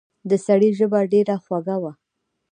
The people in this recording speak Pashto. د سړي ژبه ډېره خوږه وه.